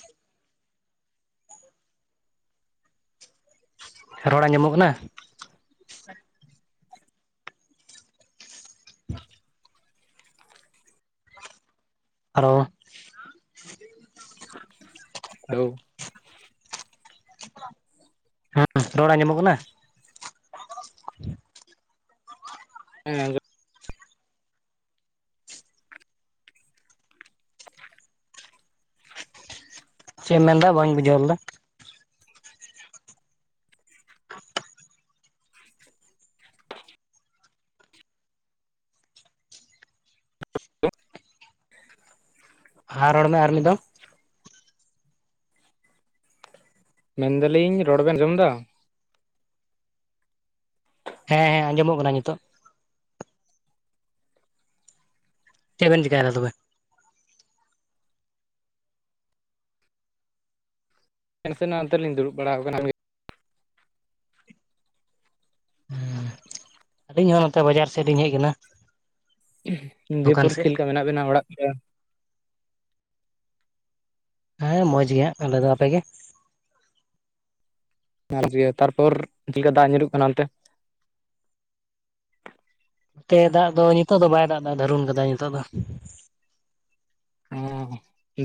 [unintelligible] ᱨᱚᱲ ᱟᱧᱡᱚᱢᱚᱜ ᱠᱟᱱᱟ? ᱟᱨᱚ ᱦᱳ ᱦᱮᱸ ᱨᱚᱲ ᱟᱸᱡᱚᱢᱚᱜ ᱠᱟᱱᱟ᱾ ᱦᱮᱸ ᱪᱮᱫ ᱮᱢ ᱢᱮᱱᱫᱟ ᱵᱟᱹᱧ ᱵᱩᱡᱷᱟᱹᱣ ᱞᱮᱫᱟ ᱦᱟ ᱨᱚᱲ ᱢᱮ ᱟᱨ ᱢᱤᱫ ᱫᱚ ᱢᱮᱱᱫᱟᱞᱤᱧ ᱨᱚᱲ ᱵᱮᱱ ᱟᱸᱡᱚᱢ ᱫᱟ ᱦᱮᱸ ᱦᱮᱸ ᱟᱸᱡᱚᱢᱚᱜ ᱠᱟᱱᱟ ᱱᱤᱛᱚᱜ ᱪᱮᱫ ᱵᱮᱱ ᱪᱤᱠᱟᱭᱫᱟ ᱛᱚᱵᱮ ᱱᱟᱥᱮᱱᱟᱜ ᱱᱟᱛᱮ ᱞᱤᱧ ᱫᱩᱲᱩᱵ ᱵᱟᱲᱟ ᱟᱠᱟᱱᱟ ᱦᱮᱸ ᱟᱹᱞᱤᱧ ᱦᱚᱸ ᱱᱚᱛᱮ ᱵᱟᱡᱟᱨ ᱥᱮᱫ ᱞᱤᱧ ᱦᱮᱡ ᱟᱠᱟᱱᱟ᱾ ᱫᱚᱠᱟᱱ ᱫᱤᱭᱟᱹᱯᱚᱨᱮ ᱥᱮᱫ ᱪᱮᱫ ᱞᱮᱠᱟ ᱢᱮᱱᱟᱜ ᱵᱤᱱᱟ ᱚᱲᱟᱜ ᱠᱚ ᱦᱮᱸ ᱢᱚᱡᱽ ᱜᱮ ᱦᱟᱜ ᱟᱞᱮ ᱫᱚ ᱟᱯᱮᱜ ᱜᱮ ᱟᱨ ᱛᱟᱨᱯᱚᱨ ᱪᱮᱫᱠᱟ ᱫᱟᱜ ᱧᱩᱨᱩᱜ ᱠᱟᱱᱟ ᱚᱱᱛᱮ ᱛᱮ ᱫᱟᱜ ᱫᱚ ᱱᱤᱛᱚᱜ ᱫᱚ ᱵᱟᱭ ᱫᱟᱜ ᱮᱫᱟ ᱫᱟᱹᱨᱩᱱ ᱠᱟᱫᱟᱭ ᱱᱤᱛᱚᱜ ᱫᱚ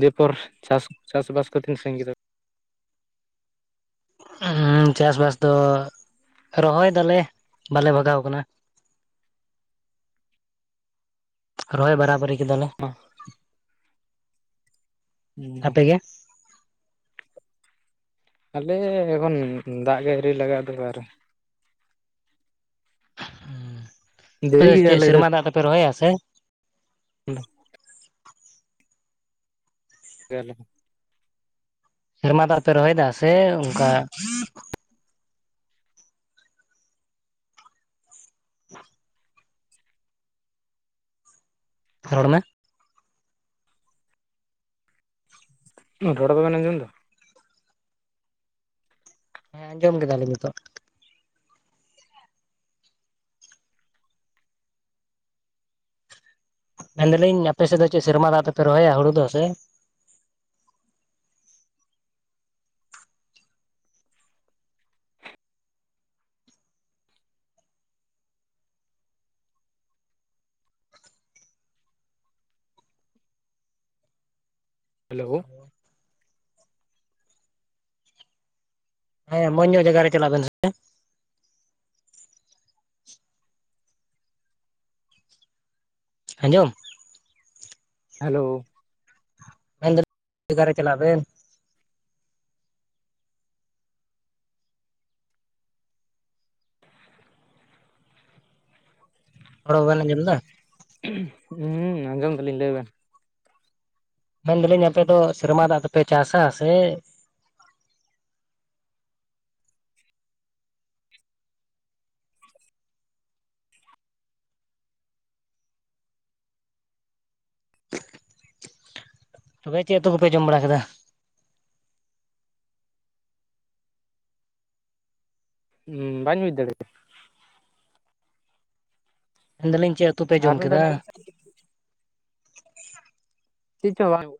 ᱫᱤᱭᱟᱹᱯᱚᱨ ᱪᱟᱥ ᱪᱟᱥ ᱵᱟᱥ ᱠᱚᱧ ᱥᱟᱺᱜᱤᱧ ᱠᱮᱫᱟᱯᱮ ᱪᱟᱥ ᱵᱟᱥ ᱫᱚ ᱨᱚᱦᱚᱭ ᱫᱟᱞᱮ ᱵᱟᱞᱮ ᱵᱷᱟᱜᱟᱣ ᱟᱠᱟᱱᱟ ᱨᱚᱦᱚᱭ ᱵᱟᱨᱟᱵᱟᱨᱤ ᱠᱮᱫᱟᱞᱮ [unintelligible] ᱦᱩᱸ [unintelligible] ᱟᱯᱮᱜᱮ ᱟᱞᱮ ᱮᱠᱷᱚᱱ ᱫᱟᱜ ᱜᱮ ᱟᱹᱣᱨᱤ ᱞᱟᱜᱟᱜ [unintelligible] ᱦᱩ ᱟᱯᱮ ᱫᱮᱨᱤ ᱫᱚ ᱪᱮᱫ ᱜᱮᱭᱟᱞᱮ ᱥᱮᱨᱢᱟ ᱫᱟᱜ ᱛᱮᱯᱮ ᱨᱚᱦᱚᱭᱟ ᱥᱮ [unintelligible] ᱜᱮᱭᱟᱞᱮ ᱥᱮᱨᱢᱟ ᱫᱟᱜ ᱯᱮ ᱨᱚᱦᱚᱭ ᱫᱟ ᱥᱮ ᱚᱱᱠᱟ [unintelligible] ᱨᱚᱲ ᱢᱮ ᱨᱚᱲ ᱫᱚᱵᱮᱱ ᱟᱸᱡᱚᱢ ᱫᱟ ᱦᱮᱸ ᱟᱸᱡᱚᱢ ᱠᱮᱫᱟᱞᱤᱧ ᱱᱤᱛᱚᱜ ᱢᱮᱱᱫᱟᱞᱤᱧ ᱟᱯᱮ ᱥᱮᱫ ᱫᱚ ᱪᱮᱫ ᱥᱮᱨᱢᱟ ᱫᱟᱜ ᱛᱮᱯᱮ ᱨᱚᱦᱚᱭᱟ ᱦᱩᱲᱩ ᱫᱚ ᱥᱮ ᱦᱮᱞᱳ [unintelligible] ᱦᱮᱸ ᱢᱚᱸᱡᱽ ᱧᱚᱜ ᱡᱟᱭᱜᱟ ᱨᱮ ᱪᱟᱞᱟᱜ ᱵᱮᱱ ᱟᱸᱡᱚᱢ ᱦᱮᱞᱳ ᱢᱮᱱ ᱡᱟᱭᱜᱟ ᱨᱮ ᱪᱟᱞᱟᱜ ᱵᱮᱱ ᱨᱚᱲ ᱵᱟᱵᱮᱱ ᱟᱡᱚᱢᱫᱟ ᱦᱮᱸ ᱟᱸᱡᱚᱢ ᱫᱟᱞᱤᱧ ᱞᱟᱹᱭ ᱵᱮᱱ ᱢᱮᱱᱫᱟᱞᱤᱧ ᱟᱯᱮ ᱫᱚ ᱥᱮᱨᱢᱟ ᱫᱟᱜ ᱫᱚᱯᱮ ᱪᱟᱥᱟ ᱥᱮ ᱛᱚᱵᱮ ᱪᱮᱫ ᱩᱛᱳ ᱠᱚᱯᱮ ᱡᱚᱢ ᱵᱟᱲᱟ ᱠᱮᱫᱟ ᱵᱟᱹᱧ ᱵᱩᱡᱽ ᱫᱟᱲᱮᱣᱫᱟ ᱢᱮᱱ ᱫᱟᱞᱤᱧ ᱟᱨ ᱢᱤᱫ ᱫᱷᱟᱣ ᱢᱮᱱ ᱢᱮᱥᱮ ᱪᱮᱫ ᱪᱚ ᱵᱟᱝ ᱟᱡᱚᱢᱚᱜ [unintelligible]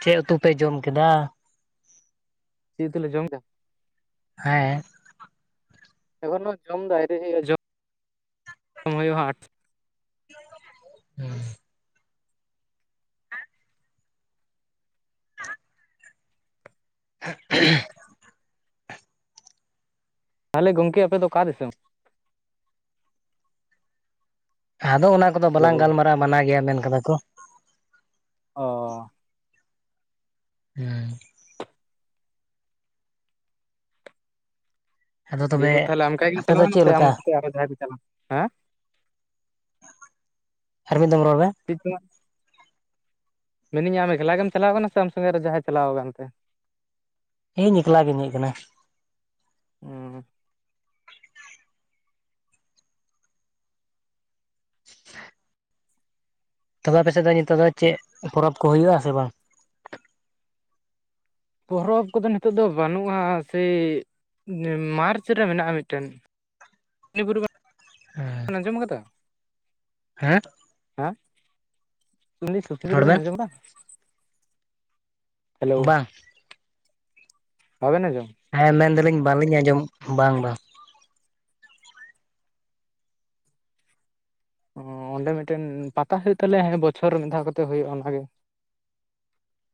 ᱪᱮᱫ ᱩᱛᱩ ᱯᱮ ᱡᱚᱢ ᱠᱮᱫᱟ ᱪᱮᱫ ᱩᱛᱩᱞᱮ ᱡᱚᱢ ᱠᱮᱫᱟ ᱦᱮᱸ ᱮᱠᱷᱚᱱ ᱫᱚ ᱡᱚᱢ ᱫᱚ ᱟᱹᱣᱨᱤ ᱦᱩᱭᱩᱜ ᱟ ᱡᱚᱢ ᱦᱩᱭᱩᱜᱼᱟ ᱟᱴ [unintelligible] ᱦᱩᱸ [inaudible] ᱛᱟᱦᱚᱞᱮ ᱜᱚᱢᱠᱮ ᱟᱯᱮ ᱚᱠᱟ ᱫᱤᱥᱚᱢ ᱟᱫᱚ ᱚᱱᱟ ᱠᱚᱫᱚ ᱵᱟᱞᱟᱝ ᱦᱮᱞᱳ ᱜᱟᱞᱢᱟᱨᱟᱼᱟ ᱢᱟᱱᱟ ᱜᱮᱭᱟ ᱢᱮᱱ ᱠᱟᱫᱟ ᱠᱚ ᱚ ᱦᱩᱸ ᱟᱫᱚ ᱫᱤᱭᱟ ᱛᱚᱵᱮ ᱯᱚᱨ ᱛᱟᱦᱚᱞᱮ ᱟᱢ ᱮᱠᱞᱟ ᱜᱮᱢ ᱟᱯᱮ ᱫᱚ ᱪᱟᱞᱟᱣᱱᱟ ᱪᱮᱫ ᱥᱮ ᱟᱢ ᱞᱮᱠᱟ ᱥᱟᱶᱛᱮ ᱟᱨᱚ ᱡᱟᱦᱟᱸᱭ ᱯᱮ ᱪᱟᱞᱟᱜᱼᱟ ᱦᱟ ᱟᱨ ᱢᱤᱫ ᱫᱷᱟᱢ ᱨᱚᱲ ᱢᱮ [unintelligible] ᱢᱮᱱᱤᱹᱧ ᱟᱢ ᱮᱠᱞᱟ ᱜᱮᱢ ᱪᱟᱞᱟᱣ ᱠᱟᱱᱟ ᱥᱮ ᱟᱢ ᱥᱚᱸᱜᱮᱨᱮ ᱡᱟᱦᱟᱸᱭ ᱪᱟᱞᱟᱣ ᱟᱠᱟᱱᱛᱮ ᱤᱧ ᱮᱠᱞᱟ ᱜᱮᱤᱧ ᱦᱮᱡ ᱟᱠᱟᱱᱟ ᱚᱸ ᱛᱚᱵᱮ ᱟᱯᱮᱥᱮᱫ ᱫᱚ ᱧᱤᱛᱚᱜ ᱫᱚ ᱪᱮᱫ ᱯᱚᱨᱚᱵᱽ ᱠᱚ ᱦᱩᱭᱩᱜ ᱟ ᱥᱮ ᱵᱟᱝ ᱯᱚᱨᱚᱵᱽ ᱠᱚᱫᱚ ᱱᱤᱛᱚᱜ ᱫᱚ ᱵᱟᱹᱱᱩᱜᱼᱟ ᱥᱮ ᱢᱟᱨᱪ ᱨᱮ ᱢᱮᱱᱟᱜᱼᱟ ᱢᱤᱫᱴᱮᱱ [unintelligible] [unintelligible] ᱟᱸᱡᱚᱢ ᱠᱟᱫᱟ ᱦᱮᱸ ᱦᱮᱸ ᱩᱱᱤ [unintelligible] ᱵᱮᱱ ᱟᱸᱡᱚᱢᱟ ᱵᱟᱝ ᱵᱟᱝᱵᱮᱱ ᱟᱸᱡᱚᱢ ᱦᱮᱸ ᱢᱮᱱᱫᱟᱞᱤᱧ ᱵᱟᱞᱤᱧ ᱟᱸᱡᱚᱢ ᱵᱟᱝ ᱵᱟᱝ ᱚ ᱚᱸᱰᱮ ᱢᱤᱫᱴᱮᱱ ᱯᱟᱛᱟ ᱦᱩᱭᱩᱜ ᱛᱟᱞᱮᱭᱟ ᱦᱟᱱᱮ ᱵᱚᱪᱷᱚᱨ ᱨᱮ ᱢᱤᱫ ᱫᱷᱟᱣ ᱠᱟᱛᱮ ᱦᱩᱭᱩᱜᱼᱟ ᱚᱱᱟ ᱜᱮ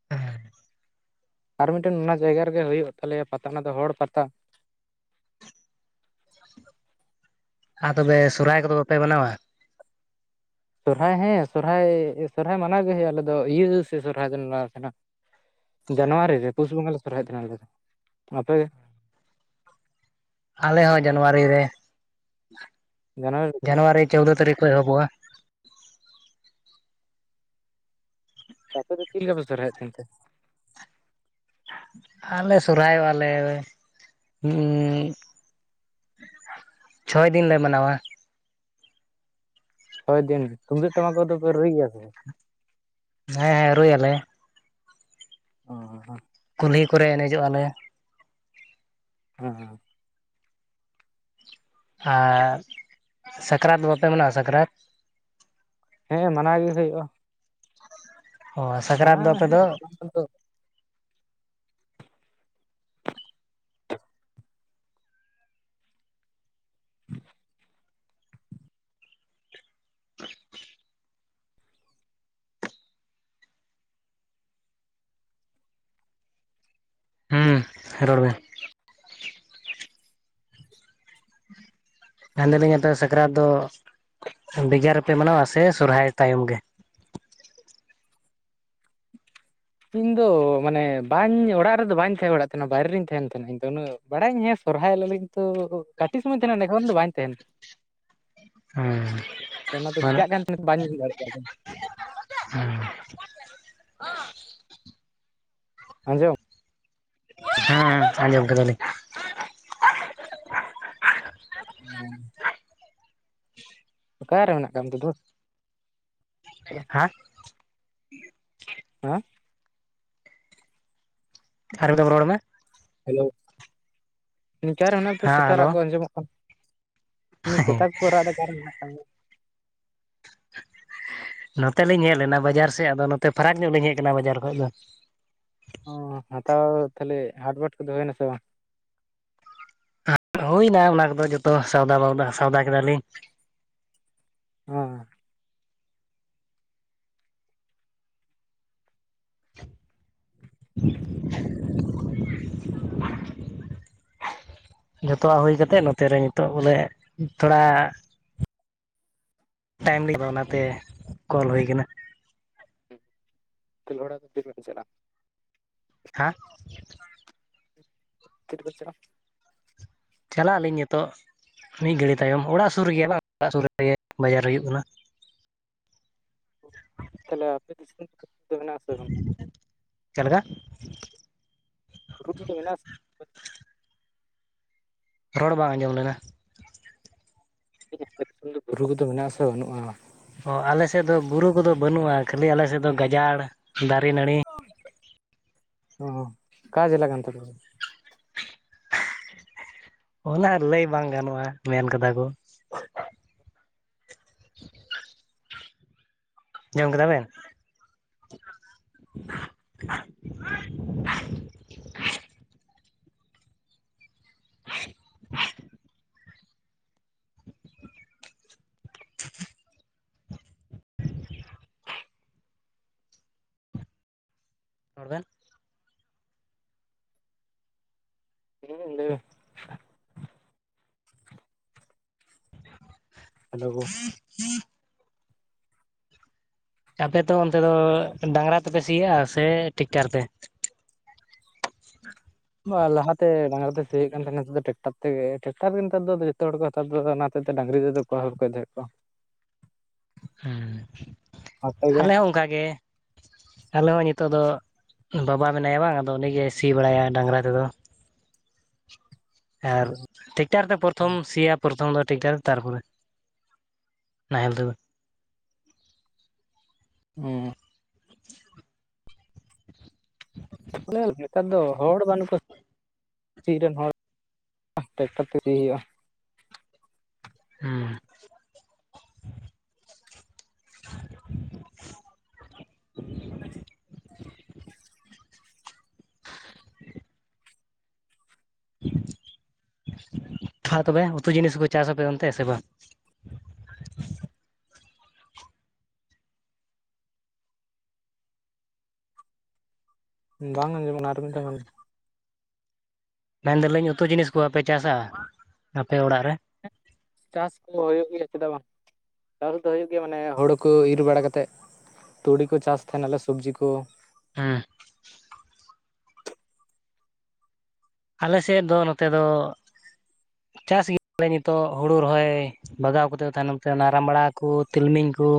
[unintelligible] ᱟᱨ ᱢᱤᱫᱴᱮᱱ ᱚᱱᱟ ᱡᱟᱭᱜᱟ ᱨᱮᱜᱮ ᱦᱩᱭᱩᱜ ᱛᱟᱞᱮᱭᱟ ᱯᱟᱛᱟ ᱚᱱᱟ ᱫᱚ ᱦᱚᱲ ᱯᱟᱛᱟ ᱟᱨ ᱛᱚᱵᱮ ᱥᱚᱦᱚᱨᱟᱭ ᱠᱚᱫᱚ ᱵᱟᱯᱮ ᱢᱟᱱᱟᱣᱟ ᱥᱚᱨᱦᱟᱭ ᱦᱮᱸ ᱥᱚᱨᱦᱟᱭ ᱥᱚᱨᱦᱟᱭ ᱢᱟᱱᱟᱣ ᱜᱮ ᱦᱩᱭᱩᱜᱼᱟ ᱟᱞᱮ ᱫᱚ ᱤᱭᱟᱹ ᱥᱮ ᱥᱚᱨᱦᱟᱭ ᱫᱚᱞᱮ ᱢᱟᱱᱟᱣ ᱥᱮᱱᱟ ᱡᱟᱱᱩᱣᱟᱨᱤ ᱨᱮ ᱯᱩᱥ ᱵᱚᱸᱜᱟ ᱞᱮ ᱥᱚᱨᱦᱟᱭᱮᱫ ᱛᱟᱦᱮᱱᱟ ᱟᱞᱮᱫᱚ ᱟᱯᱮᱜᱮ ᱟᱞᱮ ᱦᱚᱸ ᱡᱟᱱᱣᱟᱨᱤ ᱨᱮ ᱡᱟᱱᱚᱣᱟᱨᱤ ᱡᱟᱱᱣᱟᱨᱤ ᱪᱳᱫᱫᱳ ᱛᱟᱹᱨᱤᱠᱷ ᱠᱷᱚᱡᱽ ᱮᱦᱚᱵᱚᱜᱼᱟ ᱟᱯᱮ ᱫᱚ ᱪᱮᱫ ᱞᱮᱠᱟᱯᱮ ᱥᱚᱨᱦᱟᱭ ᱛᱟᱦᱮᱸᱱ ᱛᱮ ᱟᱞᱮ ᱥᱚᱨᱦᱟᱭᱚᱜᱼᱟᱞᱮ ᱪᱷᱚᱭ ᱫᱤᱱ ᱞᱮ ᱢᱟᱱᱟᱣᱟ ᱪᱷᱚᱭ ᱫᱤᱱ ᱛᱩᱢᱫᱟᱹᱜ ᱴᱟᱢᱟᱠ ᱠᱚ ᱫᱚ ᱯᱮ ᱨᱩᱭ ᱜᱮᱭᱟ ᱥᱮ ᱦᱮᱸ ᱦᱮᱸ ᱨᱩᱭ ᱟᱞᱮ ᱚ ᱠᱩᱞᱦᱤ ᱠᱚᱨᱮ ᱮᱱᱮᱡᱚᱜ ᱟᱞᱮ ᱦᱮᱸ ᱦᱮᱸ ᱟᱨ ᱥᱟᱠᱨᱟᱛ ᱵᱟᱯᱮ ᱢᱮᱱᱟ ᱥᱟᱠᱨᱟᱛ ᱦᱮᱸ ᱢᱟᱱᱟ ᱜᱮ ᱦᱩᱭᱩᱜᱼᱟ ᱚ ᱥᱟᱠᱨᱟᱛ ᱫᱚ ᱢᱟᱱᱟᱣ ᱦᱮᱸ ᱟᱯᱮᱫᱚ [unintelligible] ᱦᱩᱸ ᱨᱚᱲ ᱢᱮ ᱟᱯᱮ ᱥᱟᱠᱨᱟᱛ ᱫᱚ ᱵᱮᱜᱟᱨ ᱨᱮᱯᱮ ᱢᱟᱱᱟᱣᱟ ᱥᱮ ᱥᱚᱨᱦᱟᱭ ᱛᱟᱭᱚᱢ ᱜᱮ ᱤᱧ ᱫᱚ ᱢᱟᱱᱮ ᱵᱟᱹᱧ ᱚᱲᱟᱜ ᱨᱮᱫᱚ ᱵᱟᱹᱧ ᱛᱟᱦᱮᱸ ᱵᱟᱲᱟᱜ ᱛᱟᱦᱮᱱᱟ ᱵᱟᱭᱨᱮ ᱨᱤᱧ ᱛᱟᱦᱮᱱ ᱛᱟᱦᱮᱱᱟ ᱤᱧ ᱩᱱᱟᱹᱜ ᱵᱟᱲᱟᱭᱟᱹᱧ ᱦᱮᱸ ᱥᱚᱨᱦᱟᱭᱤᱧ ᱛᱚ ᱠᱟᱹᱴᱤᱡ ᱥᱚᱢᱚᱭ ᱛᱟᱦᱮᱱᱟ ᱮᱠᱷᱚᱱ ᱫᱚ ᱵᱟᱝ ᱛᱟᱦᱮᱱᱟ [unintelligible] ᱟᱫᱚ ᱚᱱᱟ ᱫᱚ ᱢᱟᱱᱮ ᱪᱮᱠᱟᱜ ᱠᱟᱱ ᱛᱟᱦᱮᱸ ᱵᱟᱧ ᱧᱮᱞ ᱫᱟᱲᱮᱭᱟᱜ [unintelligible] ᱟᱸᱡᱚ ᱦᱟᱸ ᱟᱸᱡᱚᱢ ᱠᱮᱫᱟᱞᱤᱧ ᱦᱮᱸ ᱚᱠᱟᱨᱮ ᱢᱮᱱᱟᱜ ᱠᱟᱜ ᱢᱮᱱᱛᱮ ᱫᱩ ᱦᱮᱸ ᱦᱮᱸ ᱟᱨᱡᱤᱫ ᱫᱷᱟᱣ ᱨᱚᱲ ᱢᱮ ᱦᱮᱞᱳ ᱚᱠᱟ ᱨᱮ ᱦᱮᱱᱟᱜ ᱯᱮᱭᱟ ᱦᱮᱸ ᱥᱮᱛᱟ ᱦᱮᱞᱳ ᱨᱟᱜ ᱠᱚ ᱟᱸᱡᱚᱢᱚᱜ ᱠᱟᱱᱟ ᱤᱧ ᱥᱮᱛᱟ ᱠᱚ ᱠᱚ ᱨᱟᱜ ᱮᱫᱟ ᱚᱠᱟᱨᱮ ᱢᱮᱱᱟᱜ ᱠᱟᱜ ᱢᱮᱭᱟ ᱱᱚᱛᱮ ᱞᱤᱧ ᱦᱮᱡ ᱞᱮᱱᱟ ᱵᱟᱡᱟᱨ ᱥᱮᱫ ᱟᱫᱚ ᱱᱚᱛᱮ ᱯᱷᱟᱨᱟᱠ ᱧᱚᱜ ᱞᱤᱧ ᱦᱮᱡ ᱟᱠᱟᱱᱟ ᱵᱟᱡᱟᱨ ᱠᱷᱚᱡ ᱫᱚ ᱚ ᱦᱟᱛᱟᱣ ᱛᱟᱦᱞᱮ ᱦᱟᱴ ᱵᱟᱴ ᱠᱚ ᱫᱚ ᱦᱩᱭᱱᱟ ᱥᱮ ᱵᱟᱝ ᱦᱩᱭᱱᱟ ᱚᱱᱟ ᱠᱚᱫᱚ ᱡᱚᱛᱚ ᱥᱣᱫᱟ ᱵᱟᱣᱫᱟ ᱥᱟᱣᱫᱟ ᱠᱮᱫᱟᱞᱤᱧ ᱦᱮᱸ᱾ [inaudible] ᱡᱷᱚᱛᱚᱣᱟᱜ ᱦᱩᱭ ᱠᱟᱛᱮ ᱱᱚᱛᱮ ᱨᱮ ᱱᱤᱛᱚᱜ ᱵᱚᱞᱮ ᱛᱷᱚᱲᱟ ᱴᱟᱭᱤᱢ ᱞᱤᱧ ᱧᱟᱢᱟ ᱚᱱᱟᱛᱮ ᱠᱚᱞ ᱦᱩᱭ ᱠᱟᱱᱟ ᱛᱟᱦᱞᱮ ᱚᱲᱟᱜ ᱫᱚ ᱛᱤᱨᱮ ᱵᱮᱱ ᱪᱟᱞᱟᱜᱼᱟ ᱦᱮᱸ ᱛᱤ ᱨᱤᱵᱤᱱ ᱪᱟᱞᱟᱜᱼᱟ ᱪᱟᱞᱟᱜ ᱟᱹᱞᱤᱧ ᱱᱤᱛᱚᱜ ᱢᱤᱫ ᱜᱷᱟᱹᱲᱤᱡ ᱛᱟᱭᱚᱢ ᱚᱲᱟᱜ ᱥᱩᱨ ᱨᱮᱜᱮ ᱵᱟᱝ ᱚᱲᱟᱜ ᱥᱩᱨ ᱨᱮᱜᱮ ᱵᱟᱡᱟᱨ ᱦᱩᱭᱩᱜ ᱠᱟᱱᱟ ᱛᱟᱦᱚᱞᱮ ᱟᱯᱮ ᱫᱤᱥᱚᱢ ᱨᱮ ᱫᱚ ᱵᱤᱨ ᱫᱚ ᱢᱮᱱᱟᱜᱼᱟ ᱥᱮ ᱵᱟᱝ ᱪᱮᱫ ᱞᱮᱠᱟ [unintelligible] ᱫᱚ ᱢᱮᱱᱟᱜᱼᱟ ᱥᱮ ᱨᱚᱲ ᱵᱟᱝ ᱟᱸᱡᱚᱢ ᱞᱮᱱᱟ ᱟᱯᱮ ᱫᱤᱥᱚᱢ ᱫᱚ ᱵᱩᱨᱩ ᱠᱚᱫᱚ ᱢᱮᱱᱟᱜᱼᱟ ᱥᱮ ᱵᱟᱹᱱᱩᱜᱼᱟ ᱚ ᱟᱞᱮ ᱥᱮᱫ ᱫᱚ ᱵᱩᱨᱩ ᱠᱚᱫᱚ ᱵᱟᱹᱱᱩᱜᱼᱟ ᱠᱷᱟᱹᱞᱤ ᱟᱞᱮ ᱥᱮᱫ ᱫᱚ ᱜᱟᱡᱟᱲ ᱫᱟᱨᱮ ᱱᱟᱹᱲᱤ ᱚ ᱚᱠᱟ ᱡᱮᱞᱟ ᱠᱟᱱ ᱛᱟᱯᱮᱭᱟ? ᱚᱱᱟ ᱞᱟᱹᱭ ᱵᱟᱝ ᱜᱟᱱᱚᱜᱼᱟ ᱢᱮᱱ ᱠᱟᱫᱟ ᱠᱚ ᱡᱚᱢ ᱠᱮᱫᱟ ᱵᱮᱱ [unintelligible] [unintelligible] [inaudible] ᱨᱚᱲ ᱵᱮᱱ ᱦᱮᱸ ᱦᱟᱞᱳ ᱟᱯᱮ ᱫᱚ ᱚᱱᱛᱮ ᱫᱚ ᱰᱟᱝᱨᱟ ᱛᱮᱯᱮ ᱥᱤ ᱭᱟᱜᱼᱟ ᱥᱮ ᱴᱮᱠᱴᱟᱨ ᱛᱮ ᱵᱟᱸ ᱞᱟᱦᱟᱛᱮ ᱰᱟᱝᱨᱟ ᱫᱚ ᱥᱤ ᱦᱳᱭᱳᱜ ᱠᱟᱱ ᱛᱟᱦᱮᱸᱱᱟ ᱱᱮᱛᱟᱨ ᱫᱚ ᱴᱨᱟᱠᱴᱟᱨ ᱛᱮᱜᱮ ᱴᱨᱟᱠᱴᱟᱨ ᱜᱮ ᱱᱮᱛᱟᱨ ᱫᱚ ᱡᱚᱛᱚ ᱦᱚᱲ ᱠᱚ ᱱᱮᱛᱟᱨ ᱫᱚ ᱚᱱᱟ ᱦᱚᱛᱮᱫ ᱛᱮ ᱰᱟᱝᱨᱤ ᱛᱮᱫᱚ ᱚᱠᱚᱭ ᱦᱚᱲ ᱦᱚᱸ ᱵᱟᱠᱚ ᱫᱚᱦᱚᱭᱮᱫ ᱠᱚᱣᱟ ᱦᱩᱸ ᱟᱯᱮ ᱜᱮ ᱟᱞᱮ ᱦᱚᱸ ᱚᱝᱠᱟ ᱜᱮ ᱟᱞᱮ ᱦᱚᱸ ᱱᱤᱛᱚᱜ ᱫᱚ ᱵᱟᱵᱟ ᱢᱮᱱᱟᱭᱟ ᱵᱟᱝ ᱟᱫᱚ ᱩᱱᱤᱜᱮ ᱥᱤ ᱵᱟᱲᱟᱭᱟᱭ ᱰᱟᱝᱨᱟ ᱛᱮᱫᱚ ᱟᱨ ᱴᱮᱠᱴᱟᱨ ᱛᱮ ᱯᱨᱚᱛᱷᱚᱢ ᱥᱤᱭᱟ ᱯᱨᱚᱛᱷᱚᱢ ᱫᱚ ᱴᱮᱠᱴᱟᱨ ᱛᱟᱨ ᱯᱚᱨᱮ [inaudible] ᱱᱟᱦᱮᱞ ᱛᱮᱫᱚ ᱦᱩᱸ [inaudible] ᱵᱚᱞᱮ ᱱᱮᱛᱟᱨ ᱫᱚ ᱦᱚᱲ ᱵᱟᱹᱱᱩᱜ ᱠᱚᱣᱟ ᱪᱮᱫ ᱨᱮᱱ ᱦᱚᱲ ᱴᱨᱟᱠᱴᱟᱨ ᱛᱮ ᱤᱫᱤᱭ ᱦᱩᱭᱩᱜᱼᱟ ᱦᱩᱸ [unintelligible] [inaudible] ᱛᱷᱟ [inaudible] ᱛᱚᱵᱮ ᱩᱛᱩ ᱡᱤᱱᱤᱥ ᱠᱚ ᱠᱚ ᱪᱟᱥ ᱟ ᱥᱮ ᱚᱱᱛᱮ ᱵᱟᱝ ᱵᱟᱝ ᱟᱸᱡᱚᱢᱚᱜ ᱠᱟᱱᱟ ᱟᱨ ᱢᱤᱫ ᱫᱷᱟᱣ ᱨᱚᱲ ᱢᱮ ᱢᱮᱱ ᱫᱟᱞᱤᱧ ᱩᱛᱩ ᱡᱤᱱᱤᱥ ᱠᱚᱦᱚᱸ ᱯᱮ ᱪᱟᱥᱟ ᱟᱯᱮ ᱚᱲᱟᱜ ᱨᱮ ᱪᱟᱥ ᱠᱚ ᱦᱩᱭᱩᱜ ᱜᱮᱭᱟ ᱪᱮᱫᱟᱜ ᱵᱟᱝ ᱪᱟᱥ ᱫᱚ ᱦᱩᱭᱩᱜ ᱜᱮᱭᱟ ᱢᱟᱱᱮ ᱦᱳᱲᱳ ᱠᱳ ᱤᱨ ᱵᱟᱲᱟ ᱠᱟᱛᱮᱫ ᱛᱩᱲᱤ ᱠᱚ ᱪᱟᱥ ᱛᱟᱦᱮᱱ ᱟᱞᱮ ᱥᱚᱵᱡᱤ ᱠᱚ ᱦᱮᱸ ᱟᱞᱮ ᱥᱮᱫ ᱫᱚ ᱱᱚᱛᱮ ᱫᱚ ᱪᱟᱥ ᱜᱮᱭᱟ ᱞᱮ ᱱᱤᱛᱚᱜ ᱦᱩᱲᱩ ᱨᱚᱦᱚᱭ ᱵᱟᱜᱟᱣ ᱠᱟᱛᱮ ᱛᱟᱭᱱᱚᱢ ᱛᱮ ᱚᱱᱟ ᱨᱟᱢᱵᱲᱟ ᱠᱚ ᱛᱤᱞᱢᱤᱧ ᱠᱚ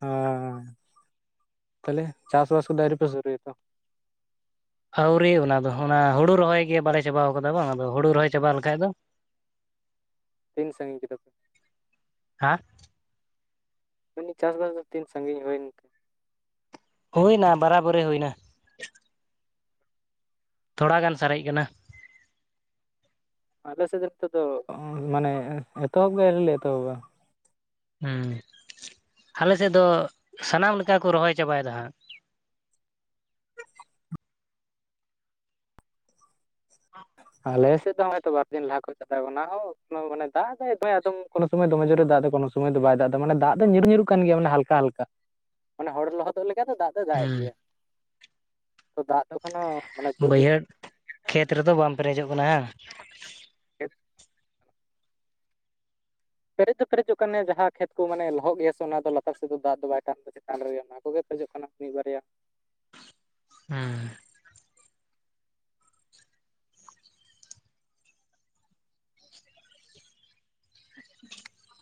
ᱦᱟᱻ ᱛᱟᱞᱦᱮ ᱪᱟᱥ ᱵᱟᱥ ᱠᱚ ᱫᱚ ᱟᱣᱨᱤ ᱯᱮ ᱥᱩᱨᱩᱭᱟᱛᱚ ᱟᱹᱣᱨᱤ ᱚᱱᱟ ᱫᱚ ᱚᱱᱟ ᱦᱩᱲᱩ ᱨᱚᱦᱚᱭ ᱜᱮ ᱵᱟᱞᱮ ᱪᱟᱵᱟᱣ ᱠᱟᱫᱟ ᱵᱟᱝ ᱟᱫᱚ ᱦᱩᱲᱩ ᱨᱚᱦᱚᱭ ᱪᱟᱵᱟ ᱞᱮᱠᱷᱟᱡ ᱫᱚ ᱛᱤᱱ ᱥᱟᱺᱜᱤᱧ ᱠᱮᱫᱟ ᱯᱮ? ᱦᱟᱸ? ᱢᱮᱱᱫᱤᱧ ᱪᱟᱥᱵᱟᱥ ᱫᱚ ᱛᱤᱱ ᱥᱟᱺᱜᱤᱧ ᱦᱩᱭᱮᱱ ᱦᱩᱭᱱᱟ ᱵᱟᱨᱟᱵᱟᱨᱤ ᱦᱩᱭᱱᱟ᱾ ᱛᱷᱚᱲᱟ ᱜᱟᱱ ᱥᱟᱨᱮᱡ ᱠᱟᱱᱟ᱾ ᱟᱞᱮᱥᱮᱡ ᱫᱚ ᱱᱤᱛᱚᱜ ᱫᱚ ᱢᱟᱱᱮ ᱮᱛᱚᱦᱚᱵ ᱜᱮ ᱟᱣᱨᱤ ᱞᱮ ᱮᱛᱚᱦᱚᱵᱟ᱾ ᱦᱮᱸ ᱟᱞᱮᱥᱮᱫ ᱫᱚ ᱥᱟᱱᱟᱢ ᱞᱮᱠᱟ ᱠᱚ ᱨᱚᱦᱚᱭ ᱪᱟᱵᱟᱭᱮᱫᱟ ᱦᱟᱸᱜ᱾ ᱟᱞᱮᱥᱮᱫ ᱫᱚ ᱦᱚᱜᱚᱭ ᱛᱚ ᱵᱟᱨᱫᱤᱱ ᱞᱟᱦᱟ ᱠᱷᱚᱡᱽ ᱪᱟᱞᱟᱜ ᱠᱟᱱᱟ ᱢᱟᱱᱮ ᱫᱟᱜ ᱟᱫᱚᱢ ᱠᱚᱱᱳ ᱥᱚᱢᱚᱭ ᱫᱚᱢᱮ ᱡᱳ ᱨᱮ ᱫᱟᱜ ᱮ ᱠᱳᱱᱳ ᱥᱚᱢᱚᱭ ᱫᱚᱢᱮ ᱡᱳᱨ ᱮ ᱫᱟᱜ ᱮᱫᱟ ᱠᱚᱱᱚ ᱥᱚᱢᱚᱭ ᱫᱚ ᱵᱟᱝ ᱢᱟᱱᱮ ᱫᱟᱜᱽ ᱫᱚ ᱧᱩᱨ ᱧᱩᱨᱩᱜ ᱠᱟᱱ ᱜᱮᱭᱟ ᱢᱟᱱᱮ ᱦᱟᱞᱠᱟ ᱦᱟᱞᱠᱟ᱾ ᱢᱟᱱᱮ ᱦᱚᱲ ᱞᱚᱦᱚᱫᱚᱜ ᱞᱮᱠᱟ ᱫᱚ ᱫᱟᱜ ᱫᱚᱭ ᱫᱟᱜᱮᱫ ᱜᱮᱭᱟ᱾ ᱦᱩᱸ ᱛᱚ ᱫᱟᱜ ᱫᱚ ᱮᱠᱷᱚᱱᱳ ᱢᱟᱱᱮ ᱵᱟᱹᱫᱽ ᱵᱟᱹᱭᱦᱟᱹᱲ ᱠᱷᱮᱛ ᱨᱮᱫᱚ ᱵᱟᱢ ᱯᱮᱨᱮᱡᱚᱜ ᱠᱟᱱᱟ [unintelligible] ᱯᱮᱨᱮᱡ ᱫᱚ ᱯᱮᱨᱮᱡᱚᱜ ᱠᱟᱱᱟ ᱡᱟᱦᱟᱸ ᱠᱷᱮᱛ ᱠᱚ ᱢᱟᱱᱮ ᱞᱚᱦᱚᱫ ᱜᱮᱭᱟ ᱥᱮ ᱚᱱᱟ ᱫᱚ ᱞᱟᱛᱟᱨ ᱥᱮᱫ ᱫᱚ ᱫᱟᱜ ᱫᱚ ᱵᱟᱭ ᱴᱟᱱ ᱪᱮᱛᱟᱱ ᱨᱮᱜᱮ ᱚᱱᱟ ᱠᱚᱜᱮ ᱠᱷᱚᱡᱚᱜ ᱠᱟᱱᱟ ᱢᱤᱫ ᱵᱟᱨᱭᱟ ᱦᱩᱸ᱾ [unintelligible]